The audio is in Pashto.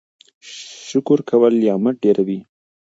شکر کول نعمتونه ډیروي.